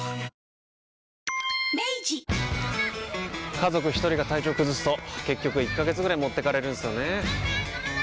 家族一人が体調崩すと結局１ヶ月ぐらい持ってかれるんすよねー。